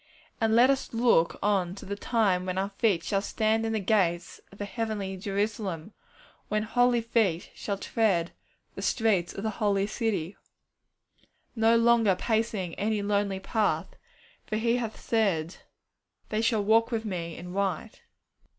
And let us look on to the time when our feet shall stand in the gates of the heavenly Jerusalem, when holy feet shall tread the streets of the holy city; no longer pacing any lonely path, for He hath said, 'They shall walk with Me in white.'